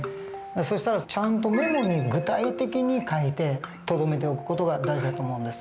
そしたらちゃんとメモに具体的に書いてとどめておく事が大事だと思うんです。